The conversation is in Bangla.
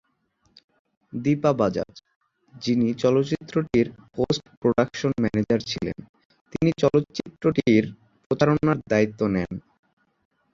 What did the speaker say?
দীপা বাজাজ, যিনি চলচ্চিত্রটির পোস্ট-প্রোডাকশন ম্যানেজার ছিলেন, তিনি চলচ্চিত্রটির প্রচারণার দায়িত্ব নেন।